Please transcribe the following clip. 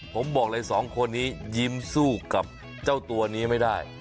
ผมบอกเลยสองคนนี้ยิ้มสู้กับเจ้าตัวนี้ไม่ได้